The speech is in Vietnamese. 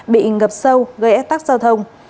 bị ngập sâu gây ác tắc giao thông